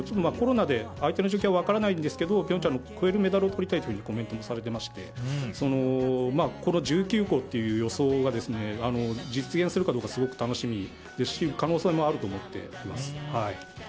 コロナで相手の状況は分からないんですが平昌を超えるメダルをとりたいとコメントされてましてこの１９個という予想が実現するかどうかすごく楽しみですし可能性もあると思っています。